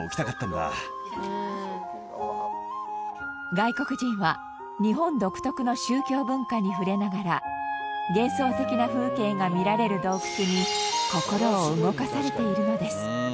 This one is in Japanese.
外国人は日本独特の宗教文化に触れながら幻想的な風景が見られる洞窟に心を動かされているのです。